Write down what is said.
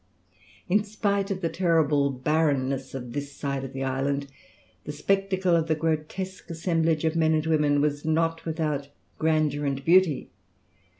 In spite of the terrible barrenness of this side of the island, the spectacle of the grotesque assemblage of men and women was not without grandeur and beauty.